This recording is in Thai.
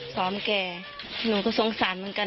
แกหนูก็สงสารเหมือนกัน